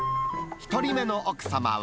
１人目の奥様は。